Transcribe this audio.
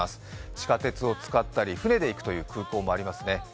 地下鉄を使ったり、船で行くという空港もありますね。